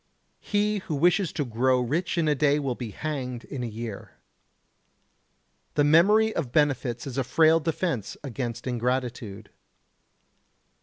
He who wishes to grow rich in a day will be hanged in a year. The memory of benefits is a frail defence against ingratitude.